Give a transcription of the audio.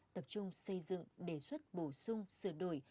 tập trung xây dựng đề xuất bổ sung sửa đổi